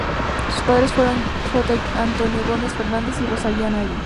Sus padres fueron J. Antonio Gómez Fernández y Rosalía Anaya.